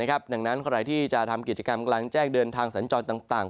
ดังนั้นใครที่จะทำกิจกรรมกลางแจ้งเดินทางสัญจรต่าง